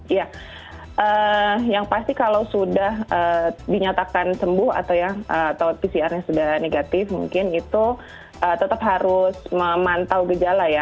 iya yang pasti kalau sudah dinyatakan sembuh atau pcrnya sudah negatif mungkin itu tetap harus memantau gejala ya